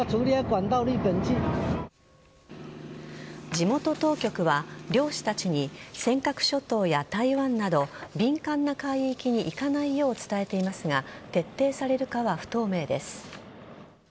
地元当局は漁師たちに尖閣諸島や台湾など敏感な海域に行かないよう伝えていますが徹底されるかは不透明です。